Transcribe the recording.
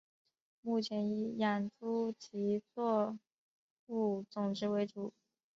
目前以养猪及作物种植为主。